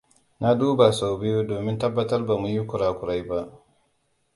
Na duba sau biyu domin tabbatar bamu yi kowani kurakurai ba.